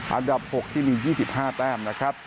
อันดับ๖ที่มี๒๕แต้มนะครับ